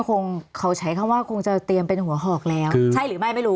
คงเขาใช้คำว่าคงจะเตรียมเป็นหัวหอกแล้วใช่หรือไม่ไม่รู้